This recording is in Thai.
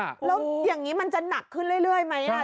แล้วอย่างนี้มันจะหนักขึ้นเรื่อยไหม